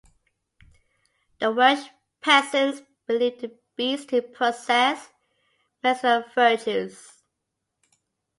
The Welsh peasants believe the beads to possess medicinal virtues.